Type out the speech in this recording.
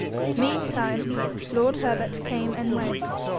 Meantime lord Herbert came and went.